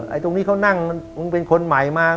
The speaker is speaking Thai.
ตรงนี้เขานั่งมึงเป็นคนใหม่มา